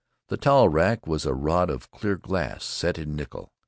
The towel rack was a rod of clear glass set in nickel.